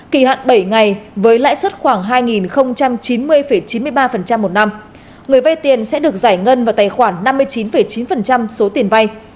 kỳ hạn bảy ngày với lãi suất khoảng hai chín mươi chín mươi ba một năm người vay tiền sẽ được giải ngân vào tài khoản năm mươi chín chín số tiền vay